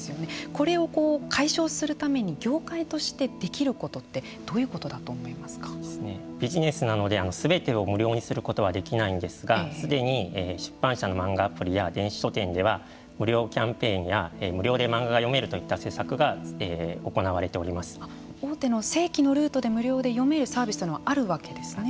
これを解消するために業界としてできることってビジネスなのですべてを無料にすることはできないんですがすでに出版社の漫画アプリや電子書籍では無料キャンペーンや無料で漫画が読めるといった大手の正規のルートで無料で読めるサービスというのがあるわけですね。